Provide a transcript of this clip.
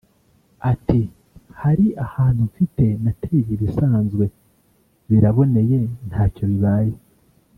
Ati “Hari ahantu mfite nateye ibisanzwe biraboneye ntacyo bibaye